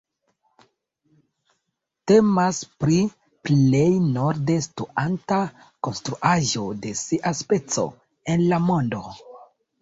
Temas pri plej norde situanta konstruaĵo de sia speco en la mondo.